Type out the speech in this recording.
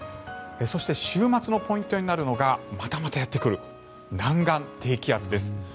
そして週末のポイントになるのがまたまたやってくる南岸低気圧です。